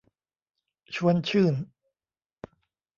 ชวนชื่น